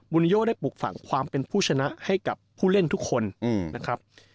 นิโยได้ปลูกฝังความเป็นผู้ชนะให้กับผู้เล่นทุกคนนะครับ